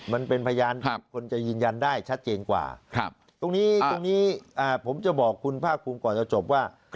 มันเป็นพยานคนจะยืนยันได้ชัดเจนกว่าตรงนี้ตรงนี้ผมจะบอกคุณภาคภูมิก่อนจะจบว่า